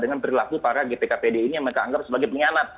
dengan perilaku para gpkpd ini yang mereka anggap sebagai pengkhianat